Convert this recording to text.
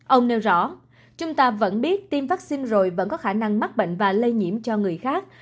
ông nêu rõ chúng ta vẫn biết tiêm vaccine rồi vẫn có khả năng mắc bệnh và lây nhiễm cho người khác